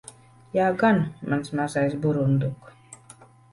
Jā gan, mans mazais burunduk.